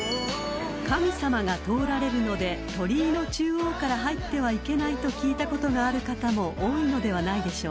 ［神様が通られるので鳥居の中央から入ってはいけないと聞いたことがある方も多いのではないでしょうか］